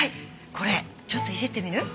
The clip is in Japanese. これちょっといじってみる？